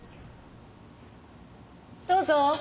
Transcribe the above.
どうぞ。